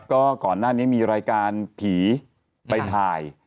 ก็ก่อนหน้านี้มีรายการผีไปถ่าย